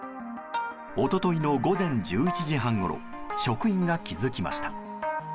一昨日の午前１１時半ごろ職員が気付きました。